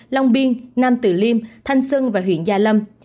long biên nam tử liêm thanh xuân và huyện gia lâm